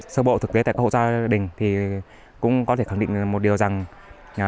sơ bộ thực tế tại các hộ gia đình thì cũng có thể khẳng định một điều rằng